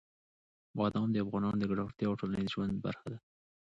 بادام د افغانانو د ګټورتیا او ټولنیز ژوند برخه ده.